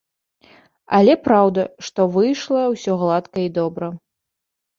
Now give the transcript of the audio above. Але праўда, што выйшла ўсё гладка і добра.